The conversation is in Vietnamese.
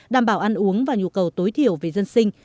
đảm bảo ăn uống và nhu cầu tối thiểu về dân sinh